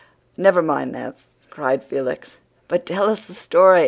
"Never mind that," cried Felix, "but tell us the story.